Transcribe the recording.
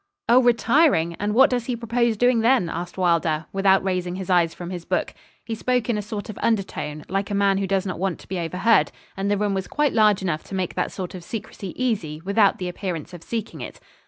'Oh! retiring; and what does he propose doing then?' asked Wylder, without raising his eyes from his book. He spoke in a sort of undertone, like a man who does not want to be overheard, and the room was quite large enough to make that sort of secrecy easy without the appearance of seeking it.